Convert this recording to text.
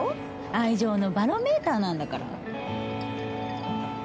愛情のバロメーターなんだから。